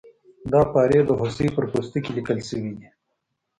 دا پارې د هوسۍ پر پوستکي لیکل شوي دي.